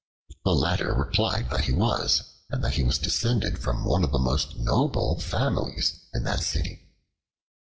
The latter replied that he was, and that he was descended from one of the most noble families in that city.